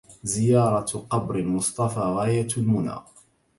زيارة قبر المصطفى غاية المنى